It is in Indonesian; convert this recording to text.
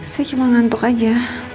saya cuma ngantuk aja